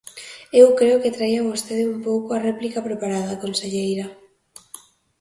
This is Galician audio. Eu creo que traía vostede un pouco a réplica preparada, conselleira.